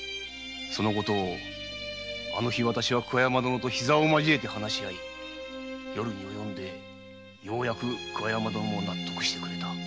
そのことをあの日桑山殿と膝をまじえて話し合い夜に及んでようやく桑山殿も納得してくれた。